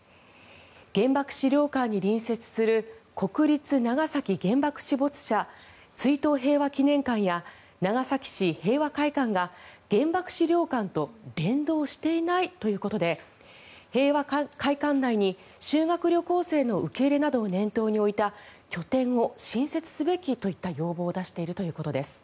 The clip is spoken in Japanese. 原爆資料館に隣接する国立長崎原爆死没者追悼平和祈念館や長崎市平和会館が原爆資料館と連動していないということで平和会館内に修学旅行生の受け入れなどを念頭に置いた拠点を新設すべきという要望を出しているということです。